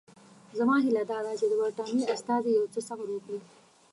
زما هیله دا ده چې د برټانیې استازي یو څه صبر وکړي.